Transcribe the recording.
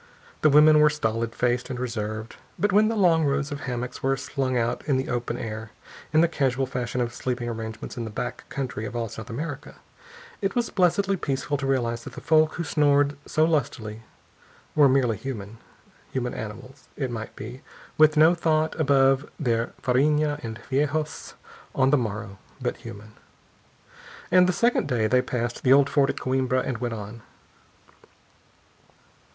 The women were stolid faced and reserved. But when the long rows of hammocks were slung out in the open air, in the casual fashion of sleeping arrangements in the back country of all South America, it was blessedly peaceful to realize that the folk who snored so lustily were merely human; human animals, it might be, with no thought above their farinha and feijos on the morrow, but human. And the second day they passed the old fort at Coimbra, and went on.